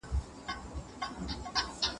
دورکهايم پر ټولنيز نظم ټينګار درلود.